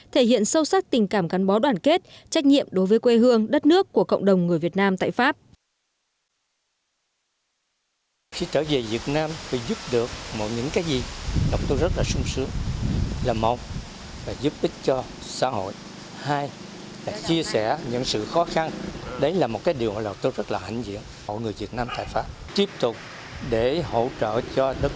thể hiện sâu sắc tình cảm gắn bó đoàn kết trách nhiệm đối với quê hương đất nước của cộng đồng người việt nam tài pháp